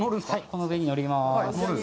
この上に乗ります。